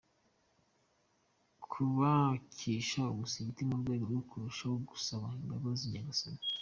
kubakisha umusigiti mu rwego rwo kurushaho gusaba imbabazi Nyagasani.